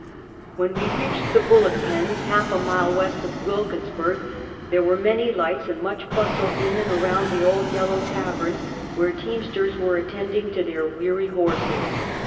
When we reached the " Bul lock Pens," half a mile west of Wilkinsburg, there were m.any lights and much bustle in and around the old yellow tavern, where teamsters were attending to their weary horses.